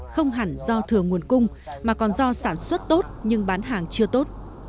không hẳn do thừa nguồn cung mà còn do sản xuất tốt nhưng bán hàng chưa tốt